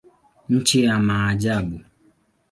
Nchi ya maajabu.